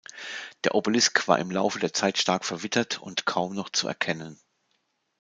Der Obelisk war im Laufe der Zeit stark verwittert und kaum noch zu erkennen.